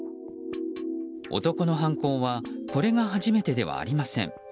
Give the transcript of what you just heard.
男の犯行はこれが初めてではありません。